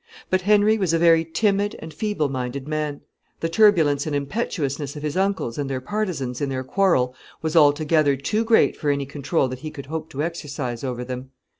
But Henry was a very timid and feeble minded man. The turbulence and impetuousness of his uncles and their partisans in their quarrel was altogether too great for any control that he could hope to exercise over them.